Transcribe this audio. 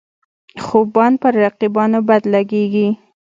خوبان پر رقیبانو بد لګيږي.